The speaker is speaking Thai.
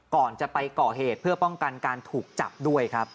ก่อนจะไปก่อเหตุเพื่อป้องกันการถูกจับด้วยครับ